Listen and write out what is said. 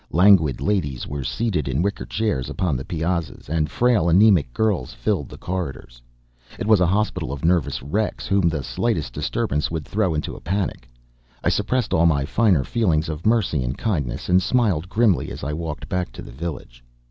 Languid ladies were seated in wicker chairs upon the piazzas, and frail anemic girls filled the corridors. It was a hospital of nervous wrecks whom the slightest disturbance would throw into a panic. I suppressed all my finer feelings of mercy and kindness and smiled grimly as I walked back to the village.